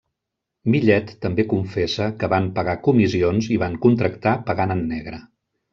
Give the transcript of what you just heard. Millet també confessa que van pagar comissions i van contractar pagant en negre.